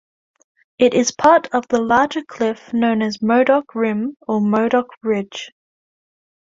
It is part of the larger cliff known as Modoc Rim or Modoc Ridge.